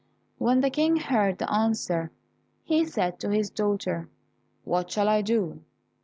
When the King heard the answer, he said to his daughter, "What shall I do?"